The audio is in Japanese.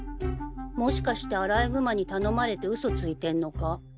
もしかしてアライグマに頼まれて嘘ついてんのか？